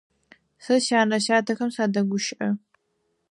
Сэ сянэ-сятэхэм садэгущыӏэ.